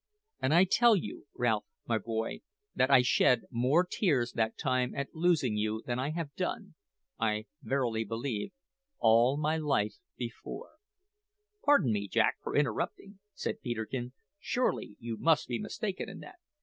And I tell you, Ralph, my boy, that I shed more tears that time at losing you than I have done, I verily believe, all my life before " "Pardon me, Jack, for interrupting," said Peterkin; "surely you must be mistaken in that.